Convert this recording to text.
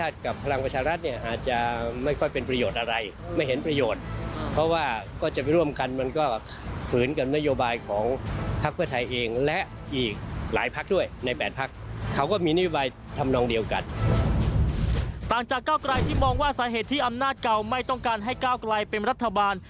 ต่างจากก้าวไกลที่มองว่าสาเหตุที่อำนาจเก่าไม่ต้องการให้ก้าวกลายเป็นรัฐบาล